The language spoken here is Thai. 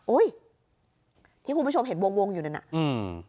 อุ้ยที่คุณผู้ชมเห็นวงวงอยู่นั่นน่ะอืม